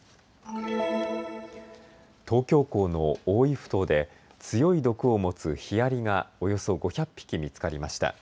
東京港の大井ふ頭で強い毒を持つヒアリがおよそ５００匹見つかりました。